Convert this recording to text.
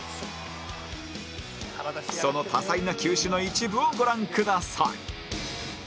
その多彩な球種の一部をご覧ください